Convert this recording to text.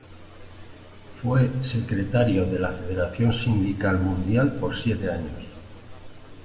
Fue secretario de la Federación Sindical Mundial por siete años.